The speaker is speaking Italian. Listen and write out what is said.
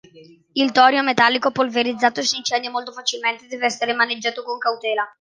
Il torio metallico polverizzato si incendia molto facilmente e deve essere maneggiato con cautela.